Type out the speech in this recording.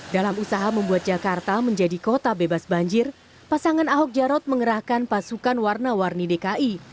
dalam usaha membuat jakarta menjadi kota bebas banjir pasangan ahok jarot mengerahkan pasukan warna warni dki